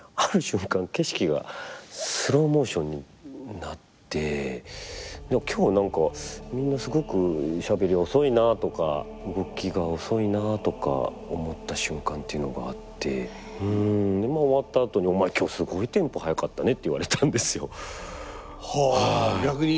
景色がスローモーションになって今日何かみんなすごくしゃべり遅いなとか動きが遅いなとか思った瞬間っていうのがあってまあ終わったあとでお前今日すごいテンポ速かったねって言われたんですよ。は逆に。